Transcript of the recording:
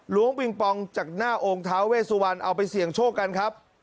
ปิงปองจากหน้าองค์ท้าเวสุวรรณเอาไปเสี่ยงโชคกันครับ